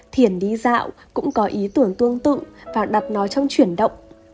thiền đi dạo cũng có ý tưởng tương tự và đặt nó trong chuyển động